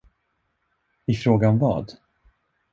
I fråga om vad?